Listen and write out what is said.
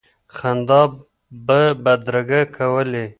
خندا به بدرګه کولې.